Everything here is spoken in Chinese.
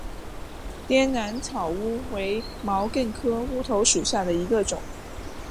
滇南草乌为毛茛科乌头属下的一个种。